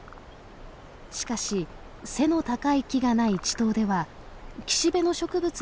しかし背の高い木がない池塘では岸辺の植物に卵を産み付けます。